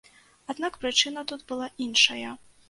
Аднак прычына тут была іншая.